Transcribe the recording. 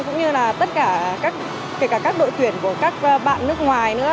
cũng như là tất cả các đội tuyển của các bạn nước ngoài nữa